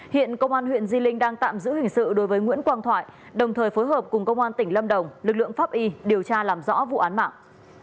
hiện công an huyện di linh đang tạm giữ hình sự đối với nguyễn quang thoại đồng thời phối hợp cùng công an tỉnh lâm đồng lực lượng pháp y điều tra làm rõ vụ án mạng